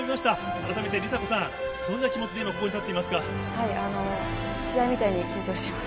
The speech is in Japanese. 改めて梨紗子さん、どんな気持ちで今、試合みたいに緊張しています。